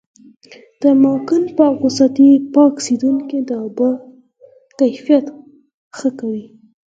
دا اماکن پاک وساتي، پاک سیندونه د اوبو کیفیت ښه کوي.